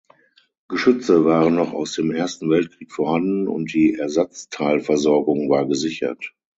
Geschütze waren noch aus dem Ersten Weltkrieg vorhanden und die Ersatzteilversorgung war gesichert.